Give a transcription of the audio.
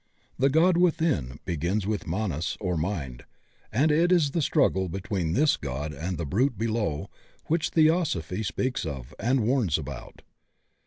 The God within begins with Manas or mind, and it is the struggle between this God and the brute below which Theosophy speaks of and warns about.